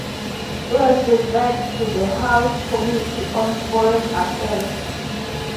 It was referred to the House Committee on Foreign Affairs.